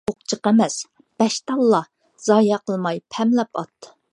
ئوق جىق ئەمەس، بەش تاللا . زايە قىلماي پەملەپ ئات .